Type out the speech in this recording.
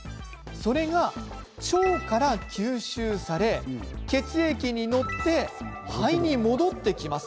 それが腸から吸収され血液に乗って肺に戻ってきます。